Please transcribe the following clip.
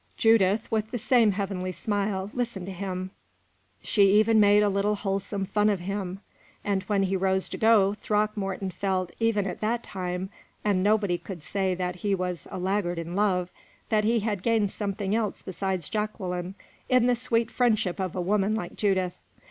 Judith, with the same heavenly smile, listened to him; she even made a little wholesome fun of him; and when he rose to go, Throckmorton felt, even at that time and nobody could say that he was a laggard in love that he had gained something else besides Jacqueline, in the sweet friendship of a woman like Judith.